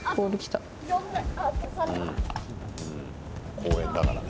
公園だからね。